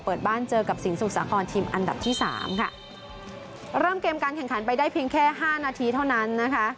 เปิดบ้านเจอกับสินสมุทรสาครทีมอันดับที่สามค่ะเริ่มเกมการแข่งขันไปได้เพียงแค่ห้านาทีเท่านั้นนะคะ